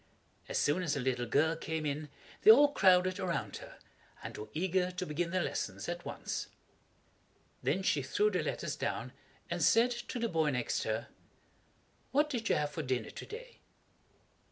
As soon as the little girl came in they all crowded around her, and were eager to begin their lessons at once. Then she threw the letters down and said to the boy next her, "What did you have for dinner to day?"